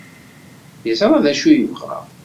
Yeẓra d acu yebɣa.